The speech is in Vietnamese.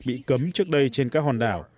đã bị cấm trước đây trên các hòn đảo